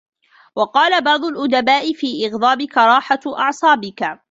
وَقَالَ بَعْضُ الْأُدَبَاءِ فِي إغْضَابِك رَاحَةُ أَعْصَابِك